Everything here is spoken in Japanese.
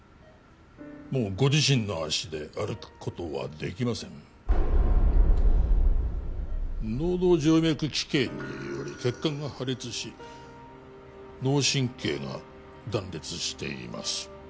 もうご自身の足で歩くことはできません脳動静脈奇形により血管が破裂し脳神経が断裂しています